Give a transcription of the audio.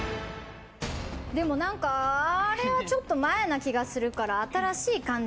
でも何かあれはちょっと前な気がするから。